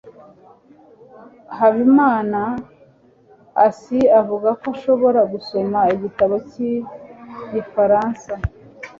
habimanaasi avuga ko ashobora gusoma igitabo cy'igifaransa